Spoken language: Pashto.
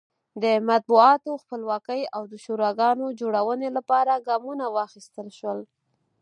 د مطبوعاتو خپلواکۍ او د شوراګانو جوړونې لپاره ګامونه واخیستل شول.